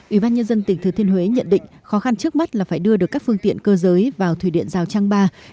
ủy ban nhân dân tỉnh thừa thiên huế nhận định khó khăn trước mắt là phải đưa được các phương tiện cơ giới vào thủy điện rào trang ba